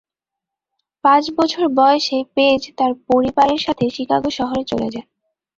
পাঁচ বছর বয়সে পেজ তার পরিবারের সাথে শিকাগো শহরে চলে যান।